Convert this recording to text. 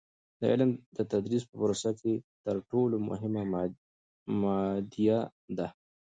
د علم د تدریس په پروسه کې تر ټولو مهمه مادیه ده.